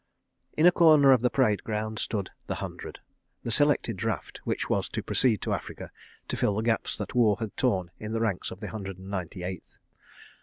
In a corner of the parade ground stood the Hundred, the selected draft which was to proceed to Africa to fill the gaps that war had torn in the ranks of the Hundred and Ninety Eighth.